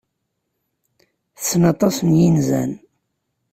Tessen aṭas n yinzan.